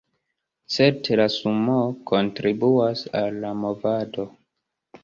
Certe la Sumoo kontribuas al la movado.